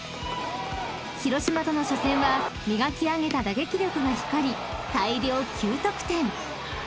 ［広島との初戦は磨き上げた打撃力が光り大量９得点］